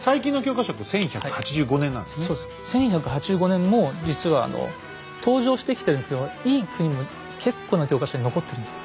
１１８５年も実は登場してきてるんですけど「いい国」も結構な教科書に残ってるんです。